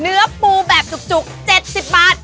เนื้อปูแบบจุก๗๐บาท